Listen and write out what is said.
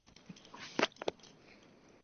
原上殿地基上已建民房二幢。